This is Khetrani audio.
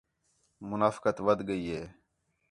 منافقت ودھ ڳئی ہِے